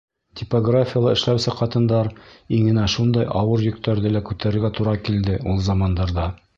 Типографияла эшләүсе ҡатындар иңенә шундай ауыр йөктәрҙе лә күтәрергә тура килде ул замандарҙа.